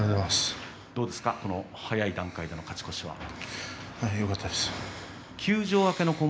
どうですか、早い段階でのよかったです。